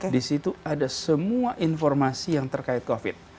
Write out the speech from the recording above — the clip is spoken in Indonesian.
di situ ada semua informasi yang terkait covid